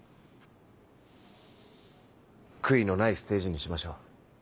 悔いのないステージにしましょう。